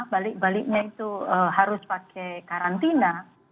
balik baliknya itu harus pakai karantina